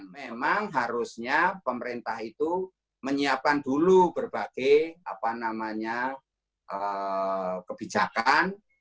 memang harusnya pemerintah itu menyiapkan dulu berbagai kebijakan